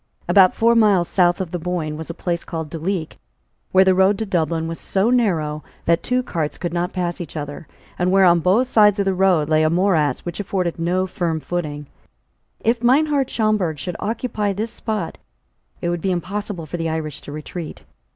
About four miles south of the Boyne was a place called Duleek, where the road to Dublin was so narrow, that two cars could not pass each other, and where on both sides of the road lay a morass which afforded no firm footing. If Meinhart Schomberg should occupy this spot, it would be impossible for the Irish to retreat.